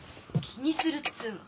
気にするっつうの。